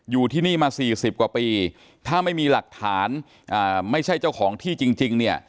อยู่ที่นี่มาสี่สิบกว่าปีถ้าไม่มีหลักฐานไม่ใช่เจ้าของที่จริงเนี่ย